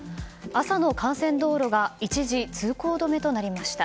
朝の幹線道路が一時通行止めとなりました。